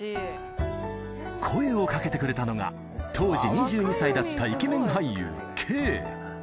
声をかけてくれたのが、当時２２歳だったイケメン俳優Ｋ。